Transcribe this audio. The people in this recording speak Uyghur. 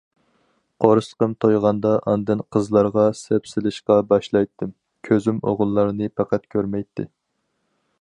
قورسىقىم تويغاندا ئاندىن قىزلارغا سەپسېلىشقا باشلايتتىم، كۆزۈم ئوغۇللارنى پەقەت كۆرمەيتتى.